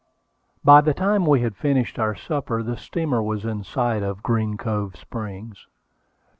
By the time we had finished our supper, the steamer was in sight of Green Cove Springs.